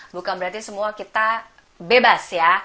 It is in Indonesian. bukan berarti semua kita bebas ya